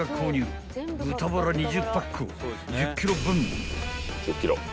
［豚バラ２０パック１０ｋｇ分］